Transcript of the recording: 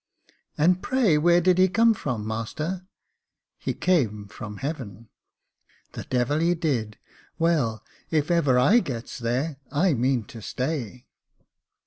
" And pray, where did he come from, master ?"" He came from heaven." "The devil he did. Well, if ever I gets there, I mean to stay."